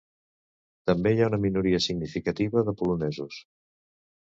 També hi ha una minoria significativa de polonesos.